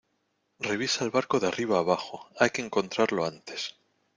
revisa el barco de arriba a abajo, hay que encontrarlo antes